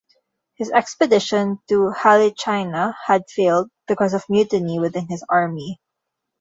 His expedition to Halychyna had failed because of mutiny within his army.